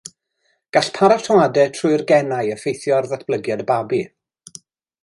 Gall paratoadau trwy'r genau effeithio ar ddatblygiad y babi.